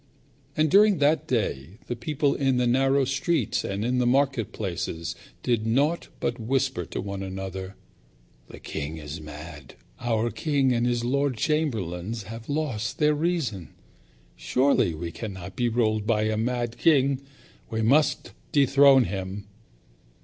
And during that day the people in the narrow streets and in the market places did naught but whisper to one another, "The king is mad. Our king and his lord chamberlain have lost their reason. Surely we cannot be ruled by a mad king. We must dethrone him."